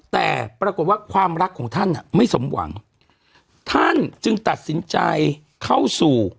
แต่ปรากฏว่าความรักของท่านไม่สมหวังท่านจึงตัดสินใจเข้าสู่